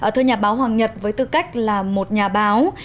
thưa nhà báo hoàng nhật với tư cách là một nhà báo